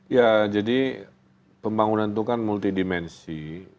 ya jadi pembangunan itu kan multi dimensi